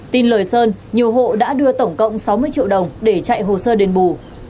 tin lời sơn nhiều hộ đã đưa tổng cộng sáu mươi triệu đồng để chạy hồ sơ đền bù